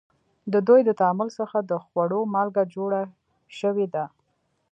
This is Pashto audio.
د دوی د تعامل څخه د خوړو مالګه جوړه شوې ده.